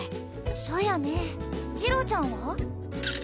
そやねぇ耳郎ちゃんは？